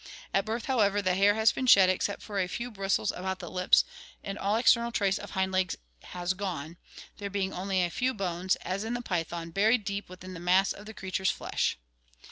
At birth, however, the hair has been shed except for a few bristles about the lips and all external trace of hind legs has gone, there being only a few bones, as in the python, buried deep within the mass of the crea ture's flesh.